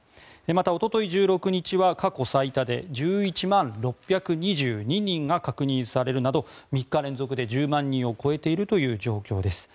また、おととい１６日は過去最多で１１万６２２人が確認されるなど３日連続で１０万人を超えているという状況です。